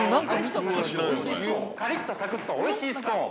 カリっとサクッとおいしいスコーン。